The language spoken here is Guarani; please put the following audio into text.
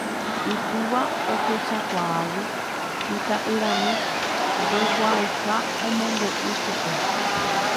Itúva ohechakuaávo ita'yrami ndoikuaaiha omombe'u chupe.